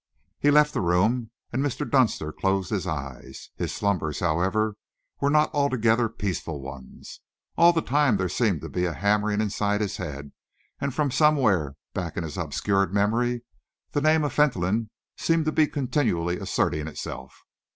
He left the room, and Mr. Dunster closed his eyes. His slumbers, however, were not altogether peaceful ones. All the time there seemed to be a hammering inside his head, and from somewhere back in his obscured memory the name of Fentolin seemed to be continually asserting itself.